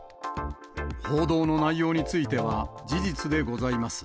報道の内容については事実でございます。